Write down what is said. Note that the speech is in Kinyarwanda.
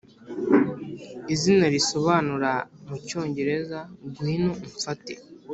izina risobanura mu cyongereza," ngwino umfate. ""